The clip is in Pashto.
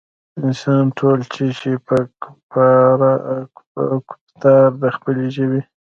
انسان تول شي پۀ ګفتار د خپلې ژبې